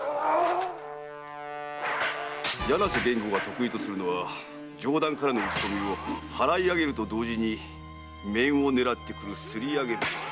柳瀬源吾が得意とするのは上段からの打ち込みを払い上げると同時に面を狙ってくる「すりあげ面」。